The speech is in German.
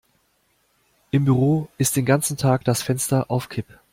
Im Büro ist den ganzen Tag das Fenster auf Kipp.